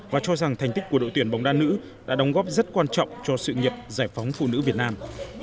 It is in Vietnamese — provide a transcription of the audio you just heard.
và cho rằng thành tích của đội tuyển bóng đá nữ đã đóng góp rất quan trọng cho sự nghiệp giải phóng phụ nữ việt nam